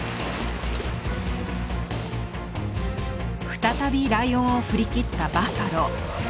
再びライオンを振り切ったバッファロー。